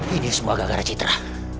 ini semua gara gara citra